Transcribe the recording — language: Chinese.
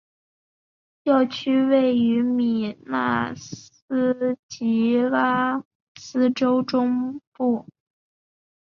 教区位于米纳斯吉拉斯州中部。